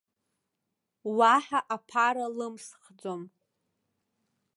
Уаҳа аԥара лымсхӡом.